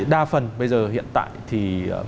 đa phần bây giờ hiện tại thì